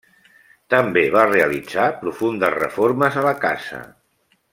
També va realitzar profundes reformes a la casa.